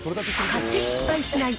買って失敗しない！